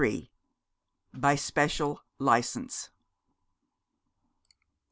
BY SPECIAL LICENCE.